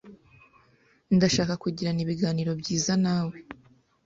Ndashaka kugirana ibiganiro byiza na we.